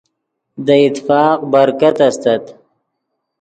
دے اتفاق برکت استت